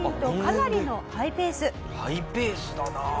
ハイペースだなあ。